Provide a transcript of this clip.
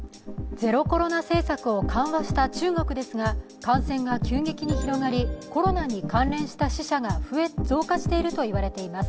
ゼロコロナ政策を緩和した中国ですが、感染が急激に広がり、コロナに関連した死者が増加しているといわれています。